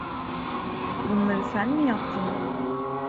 Bunları sen mi yaptın?